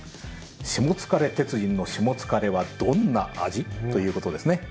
しもつかれ鉄人のしもつかれはどんな味という。